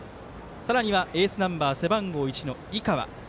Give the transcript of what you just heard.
さらには、エースナンバー背番号１の井川。